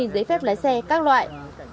ba mươi giấy phép lái xe các loại